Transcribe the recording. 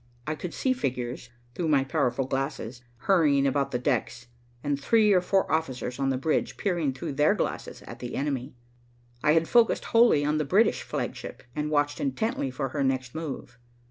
I could see figures, through my powerful glasses, hurrying about the decks, and three or four officers on the bridge peering through their glasses at the enemy. I had focussed wholly on the British flagship, and watched intently for her next move.